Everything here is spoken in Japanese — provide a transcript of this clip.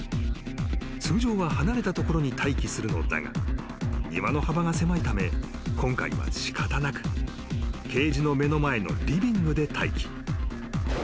［通常は離れたところに待機するのだが庭の幅が狭いため今回は仕方なくケージの目の前のリビングで待機］